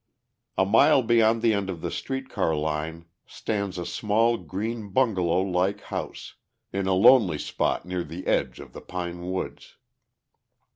A mile beyond the end of the street car line stands a small green bungalow like house in a lonely spot near the edge of the pine woods.